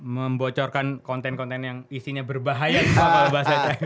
membocorkan konten konten yang isinya berbahaya